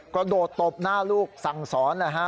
กระโดดตบหน้าลูกสั่งสอนนะฮะ